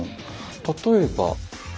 例えば。